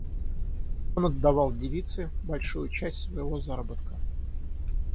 Он отдавал девице большую часть своего заработка.